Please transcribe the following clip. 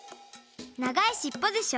長いしっぽでしょ？